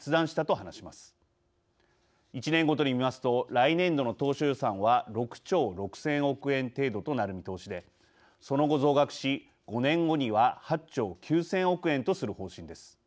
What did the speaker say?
１年ごとに見ますと来年度の当初予算は６兆６，０００億円程度となる見通しでその後増額し５年後には８兆９，０００億円とする方針です。